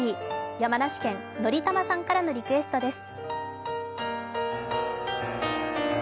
山梨県、のりたまさんからのリクエストです。